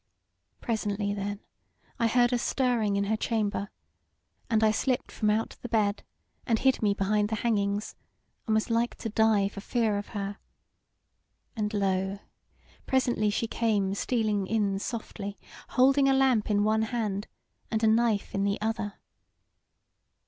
"Presently then I heard a stirring in her chamber, and I slipped from out the bed, and hid me behind the hangings, and was like to die for fear of her; and lo, presently she came stealing in softly, holding a lamp in one hand and a knife in the other.